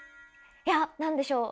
いや何でしょう？